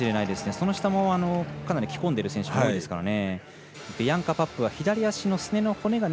その下もかなり着込んでいる選手ですからね。